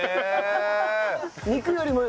肉よりも。